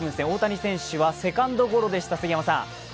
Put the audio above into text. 大谷選手はセカンドゴロでした。